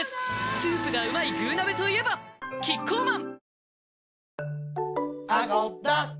スープがうまい「具鍋」といえばキッコーマン